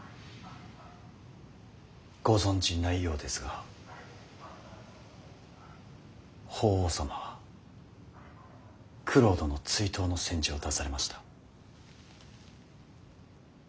ご存じないようですが法皇様は九郎殿追討の宣旨を出されました。